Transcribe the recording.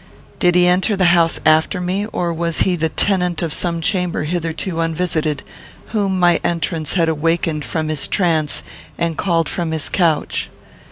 Did he enter the house after me, or was he the tenant of some chamber hitherto unvisited; whom my entrance had awakened from his trance and called from his couch?